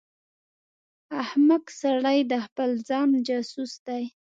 احمق سړی د خپل ځان جاسوس دی.